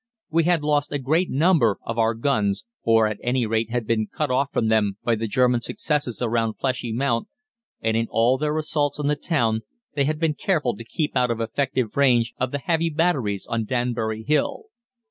We had lost a great number of our guns, or at any rate had been cut off from them by the German successes around Pleshy Mount, and in all their assaults on the town they had been careful to keep out of effective range of the heavy batteries on Danbury Hill.